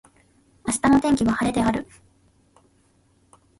明日の天気は晴れである。